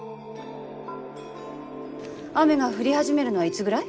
雨が降り始めるのはいつぐらい？